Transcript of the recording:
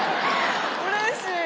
うれしい。